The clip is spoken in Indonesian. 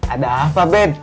ada apa ben